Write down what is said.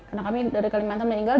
anak kami dari kalimantan meninggal